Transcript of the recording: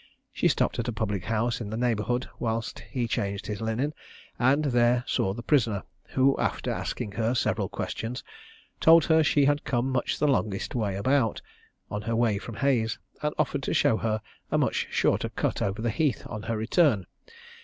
She stopped at a public house in the neighbourhood whilst he changed his linen, and there saw the prisoner, who, after asking her several questions, told her she had come much the longest way about, on her way from Hayes, and offered to show her a much shorter cut over the heath on her return.